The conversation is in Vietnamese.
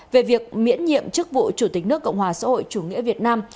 về việc miễn nhiệm chức vụ chủ tịch nước cộng hòa xã hội chủ nghĩa việt nam